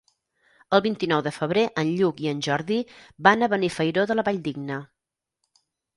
El vint-i-nou de febrer en Lluc i en Jordi van a Benifairó de la Valldigna.